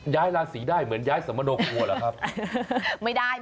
ย้ายลาศรีได้เหมือนย้ายสมโนครัวหรือครับ